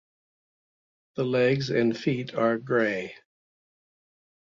The legs and feet are gray.